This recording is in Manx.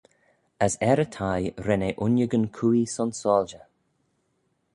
As er y thie ren eh uinniagyn cooie son soilshey.